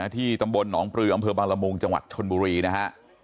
ที่ตำบลหนองปลืออำเภอบางละมุงจังหวัดชนบุรีนะฮะ